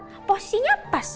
mbak nia posisinya pas